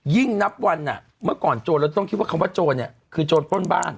นับวันเมื่อก่อนโจรเราต้องคิดว่าคำว่าโจรเนี่ยคือโจรปล้นบ้าน